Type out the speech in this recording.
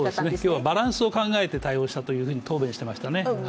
今日、バランスを考えて対応したというふうに答弁していましたね。